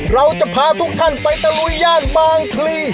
เราจะพาทุกท่านไปตะลุยย่านบางพลี